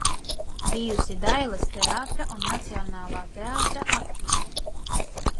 Bijusi Dailes teātra un Nacionālā teātra aktrise.